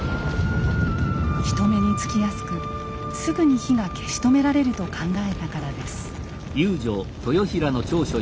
人目につきやすくすぐに火が消し止められると考えたからです。